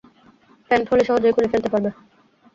Pant হলে সহজেই খুলে ফেলতে পারবো।